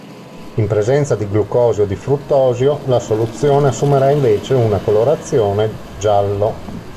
In presenza di glucosio o di fruttosio la soluzione assumerà invece una colorazione giallo.